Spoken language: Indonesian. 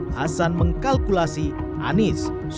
hasan mengkalkulasi anies